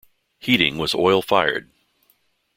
Heating was oil fired.